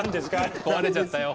壊れちゃったよ。